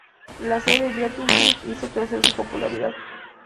La serie Battlefield hizo crecer su popularidad.